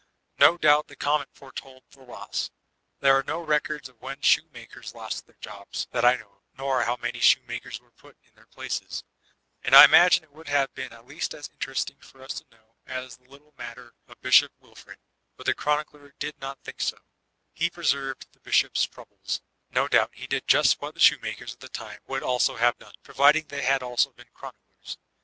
No doubt the comet foretold the loss. There are no records of when shoemakers lost their jotM that I know of, nor how many shoemakers were put in their places ; and I imagine it would have been at least as interesting for us to know as the little matter of Bishop Wilfred But the chronicler did not think so; he pre served the Bishop's troubles — ^no doubt he did just what the shoemakers of the time would also have done, pro viding they had been also chroniclers.